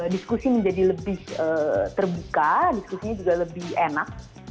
diskusi menjadi lebih terbuka diskusinya juga lebih enak